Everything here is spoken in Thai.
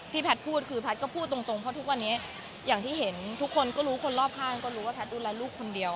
แพทย์พูดคือแพทย์ก็พูดตรงเพราะทุกวันนี้อย่างที่เห็นทุกคนก็รู้คนรอบข้างก็รู้ว่าแพทย์ดูแลลูกคนเดียว